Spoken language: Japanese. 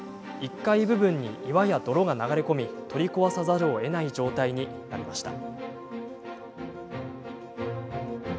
１階部分に岩や泥が流れ込み取り壊さざるをえない状態になりました。